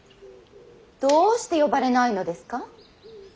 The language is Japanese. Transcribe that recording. どうして呼ばれないのですか。